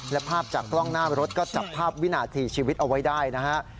และภาพจากกล้องหน้ารถก็จับภาพวินาทีชีวิตเอาไว้ได้นะฮะ